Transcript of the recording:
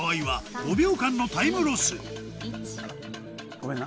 ごめんな。